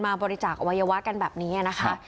บริจาคอวัยวะกันแบบนี้นะคะ